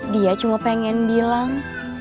dia cuma pengen bilang